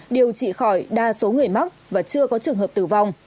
điều trị khỏi đa số người mắc và chưa có trường hợp tử vong